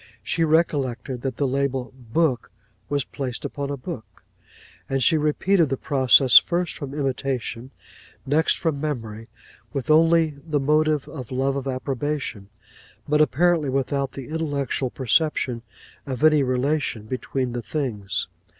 She recollected that the label book was placed upon a book, and she repeated the process first from imitation, next from memory, with only the motive of love of approbation, but apparently without the intellectual perception of any relation between the things.